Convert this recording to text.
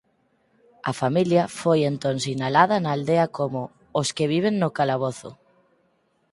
A familia foi entón sinalada na aldea como «os que viven no calabozo».